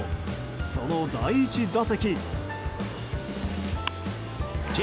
その第１打席。